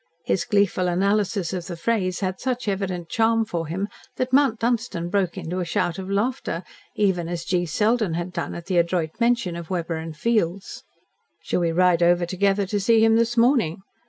His gleeful analysis of the phrase had such evident charm for him that Mount Dunstan broke into a shout of laughter, even as G. Selden had done at the adroit mention of Weber & Fields. "Shall we ride over together to see him this morning?